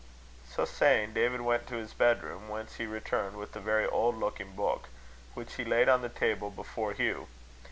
So saying, David went to his bedroom, whence he returned with a very old looking book, which he laid on the table before Hugh.